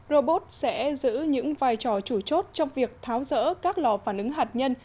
robot sẽ giữ những vai trò chủ chốt trong việc tháo rỡ các lò phản ứng hạt nhân